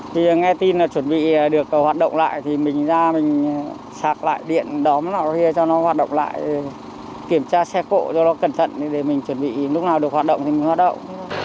thì nghe tin là chuẩn bị được hoạt động lại thì mình ra mình sạc lại điện đóm lại cho nó hoạt động lại kiểm tra xe cộ cho nó cẩn thận để mình chuẩn bị lúc nào được hoạt động thì mình hoạt động